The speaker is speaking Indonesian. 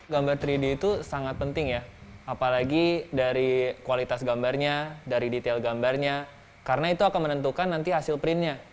gambar tiga d itu sangat penting ya apalagi dari kualitas gambarnya dari detail gambarnya karena itu akan menentukan nanti hasil printnya